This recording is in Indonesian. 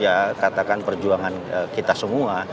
dan itu katakan perjuangan kita semua